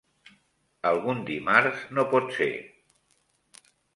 Algun dimarts no pot ser.